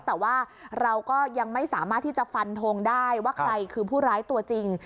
แต่ว่าเราก็ยังไม่สามารถที่จะฟันทงได้ว่าใครคือผู้ร้ายตัวจริง